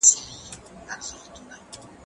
زه به سبا تمرين وکړم؟!